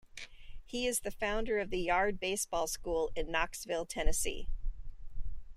He is the founder of the Yard Baseball School in Knoxville, Tennessee.